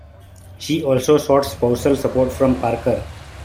She also sought spousal support from Parker.